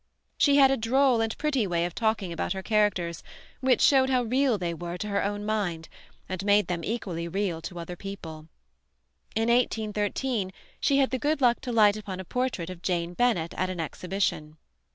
She had a droll and pretty way of talking about her characters which showed how real they were to her own mind, and made them equally real to other people. In 1813 she had the good luck to light upon a portrait of Jane Bennet at an exhibition.